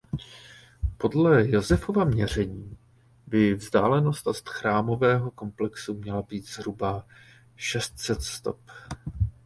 Podle Josefova měření by vzdálenost od chrámového komplexu měla být zhruba šest set stop.